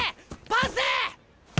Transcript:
パス！